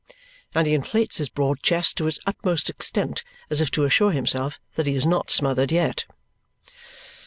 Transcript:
And he inflates his broad chest to its utmost extent as if to assure himself that he is not smothered yet.